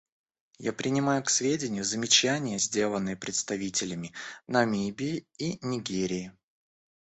Я принимаю к сведению замечания, сделанные представителями Намибии и Нигерии.